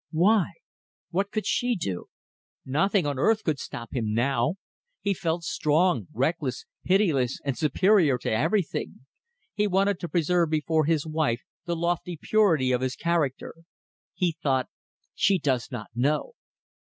Why? What could she do? Nothing on earth could stop him now. He felt strong, reckless, pitiless, and superior to everything. He wanted to preserve before his wife the lofty purity of his character. He thought: She does not know.